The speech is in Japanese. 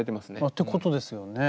ってことですよね。